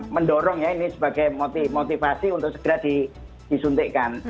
mendorong ya ini sebagai motivasi untuk segera disuntikkan